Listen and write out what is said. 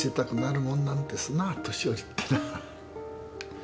年寄りってのは。